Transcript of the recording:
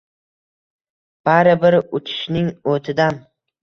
Bari bir, uchishning o’tidan